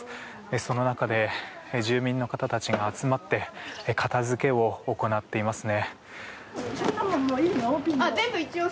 その中で住民の方たちが集まって片付けを行っていますね。